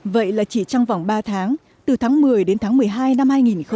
vậy là chỉ trong vòng ba tháng từ tháng một mươi đến tháng một mươi hai năm hai nghìn một mươi tám